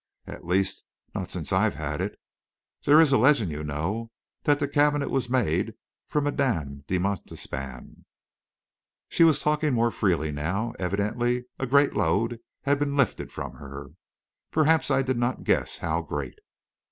At least, not since I have had it. There is a legend, you know, that the cabinet was made for Madame de Montespan." She was talking more freely now; evidently a great load had been lifted from her perhaps I did not guess how great!